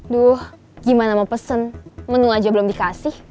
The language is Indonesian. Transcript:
duh gimana mau pesen menu aja belum dikasih